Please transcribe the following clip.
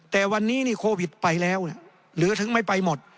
แต่วันนี้นี่โควิดไปแล้วหรือถึงไม่ไปหมด